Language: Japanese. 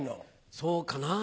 そうかなぁ。